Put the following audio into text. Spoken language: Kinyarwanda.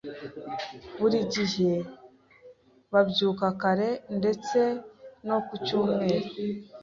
Buri gihe babyuka kare, ndetse no ku cyumweru.